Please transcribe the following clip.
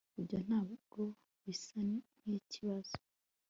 ibyo ntabwo bisa nkikibazo